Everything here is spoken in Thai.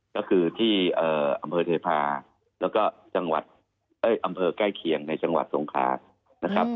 ก็คือที่อำเภอเทพาแล้วก็จังหวัดอำเภอใกล้เคียงในจังหวัดสงครานะครับ